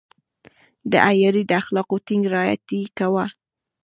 د عیارۍ د اخلاقو ټینګ رعایت يې کاوه.